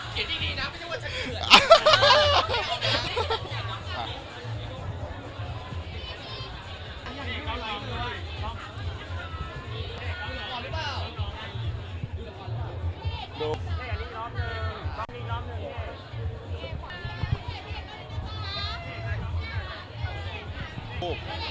เขียนดีนะไม่ใช่ว่าจะเผื่อน